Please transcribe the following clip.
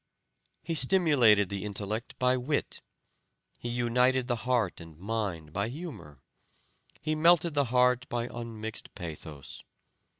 He stimulated the intellect by wit; he united the heart and mind by humor; he melted the heart by un mixed pathos.